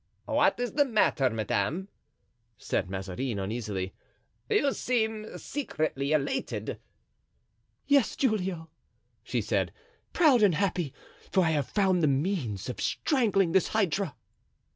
"What is the matter, madame?" said Mazarin, uneasily. "You seem secretly elated." "Yes, Giulio," she said, "proud and happy; for I have found the means of strangling this hydra."